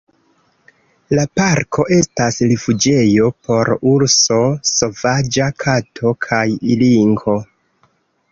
La parko estas rifuĝejo por urso, sovaĝa kato kaj linko.